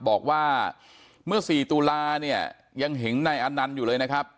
บอกว่าเมื่อ๔ตุลาเนี่ยยังเห็นนายอนันต์อยู่เลยนะครับ